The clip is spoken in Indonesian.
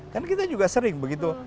karena kita juga sering begitu